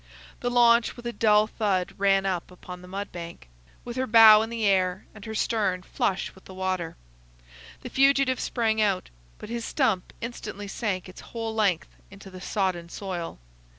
The launch with a dull thud ran up upon the mud bank, with her bow in the air and her stern flush with the water. The fugitive sprang out, but his stump instantly sank its whole length into the sodden soil.